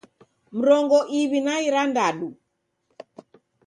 Mrongo iw'i na irandadu